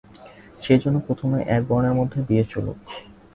সেইজন্য প্রথমে এক বর্ণের মধ্যে বিয়ে চলুক।